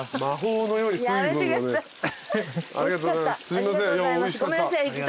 魔法のように水分をね。